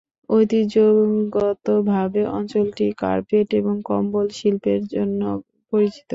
ঐতিহ্যগতভাবে অঞ্চলটি কার্পেট এবং কম্বল শিল্পের জন্য পরিচিত।